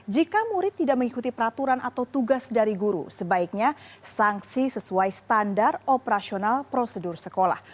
jika murid tidak mengikuti peraturan atau tugas dari guru sebaiknya sanksi sesuai standar operasional prosedur sekolah